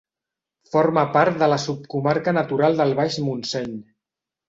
Forma part de la subcomarca natural del Baix Montseny.